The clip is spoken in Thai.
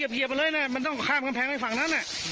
พันศิงขร